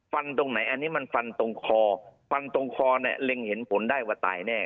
ตรงไหนอันนี้มันฟันตรงคอฟันตรงคอเนี่ยเล็งเห็นผลได้ว่าตายแน่